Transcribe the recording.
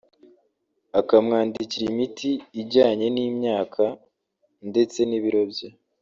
akamwandikira imiti ijyanye n’imyaka ndetse n’ibiro bye